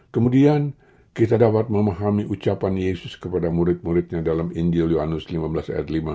kemudian kita dapat memahami ucapan yesus kepada murid muridnya dalam indio yoanus lima belas ayat lima